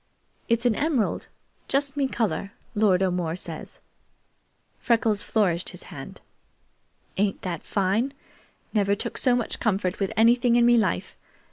It's an emerald just me color, Lord O'More says." Freckles flourished his hand. "Ain't that fine? Never took so much comfort with anything in me life.